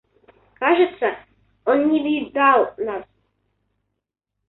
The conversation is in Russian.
Кажется, он не видал нас.